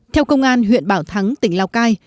theo công an huyện bảo thắng tỉnh lào cai